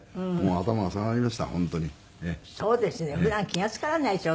普段気が付かないでしょ？